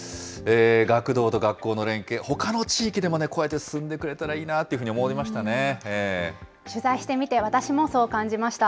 学童と学校の連携、ほかの地域でもね、こうやって進んでくれたら取材してみて、私もそう感じました。